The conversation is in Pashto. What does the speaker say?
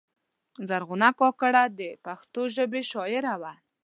زرغونه کاکړه د پښتو ژبې شاعره وه.